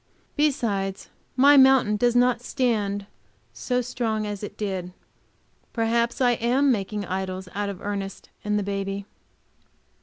Besides, my mountain does not stand so strong as it did. Perhaps I am making idols out of Ernest and the baby.